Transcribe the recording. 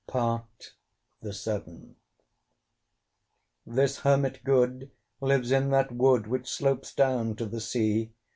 PART THE SEVENTH. This Hermit good lives in that wood Which slopes down to the sea.